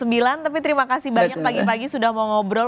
tapi terima kasih banyak pagi pagi sudah mau ngobrol